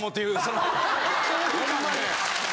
ホンマに。